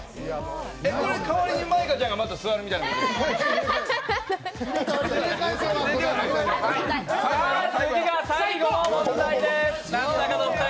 これ代わりに舞香ちゃんが座るみたいな次が最後の問題です。